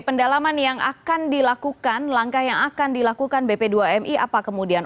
pendalaman yang akan dilakukan langkah yang akan dilakukan bp dua mi apa kemudian